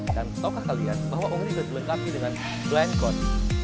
dan tahukah kalian bahwa uang ini sudah dilengkapi dengan blind code